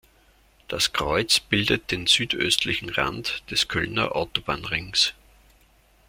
Das Kreuz bildet den südöstlichen Rand des Kölner Autobahnrings.